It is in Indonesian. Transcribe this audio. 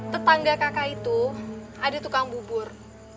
tetangga kakak itu ada tukang bubur